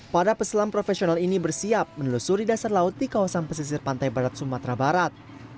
para peselam profesional ini bersiap menelusuri dasar laut di kawasan pesisir pantai barat sumatera barat